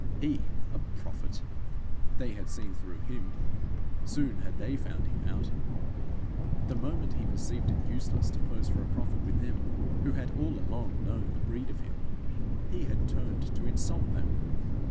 He a prophet! They had seen through him! Soon had they found him out! The moment he perceived it useless to pose for a prophet with them, who had all along known the breed of him, he had turned to insult them!